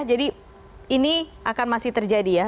jadi ini akan masih terjadi ya